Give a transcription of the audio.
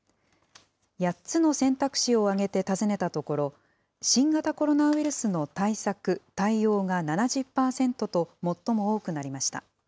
８つの選択肢を挙げて尋ねたところ、新型コロナウイルスの対策・対応が７０％と最も多くなりました。